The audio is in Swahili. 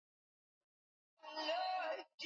Lala mapema leo.